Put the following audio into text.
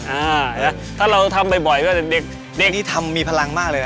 อ่าเห็นไหมถ้าเราทำบ่อยบ่อยก็จะเป็นเด็กนี่ทำมีพลังมากเลยน่ะ